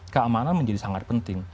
keamanan menjadi sangat penting